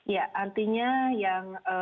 ya artinya yang